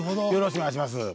よろしくお願いします。